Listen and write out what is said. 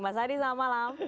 mas adi selamat malam